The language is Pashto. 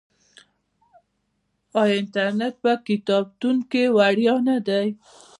آیا انټرنیټ په کتابتون کې وړیا نه دی؟